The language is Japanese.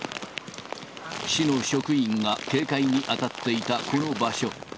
市の職員が警戒に当たっていたこの場所。